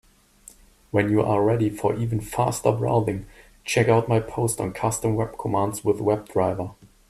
When you are ready for even faster browsing, check out my post on Custom web commands with WebDriver.